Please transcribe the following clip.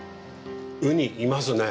ウニいますね。